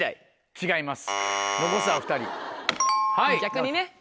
違います。